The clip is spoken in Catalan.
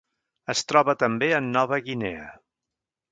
Es troba també en Nova Guinea.